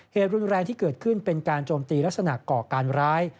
เหตุรุนแรงที่เกิดขึ้นเป็นการโจมตีลักษณะก่อการร้าย